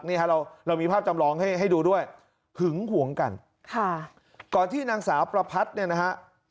นี่ฮะเราเรามีภาพจำลองให้ให้ดูด้วยหึงหวงกันค่ะก่อนที่นางสาวประพัดเนี่ยนะฮะ